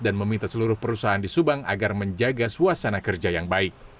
dan meminta seluruh perusahaan di subang agar menjaga suasana kerja yang baik